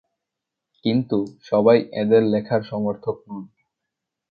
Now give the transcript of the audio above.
কিন্তু সবাই এঁদের লেখার সমর্থক নন।